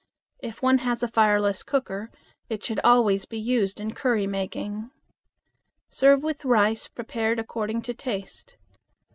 If one has a fireless cooker, it should always be used in curry making. Serve with rice prepared according to taste.